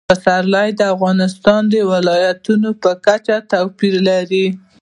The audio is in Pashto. پسرلی د افغانستان د ولایاتو په کچه توپیر لري.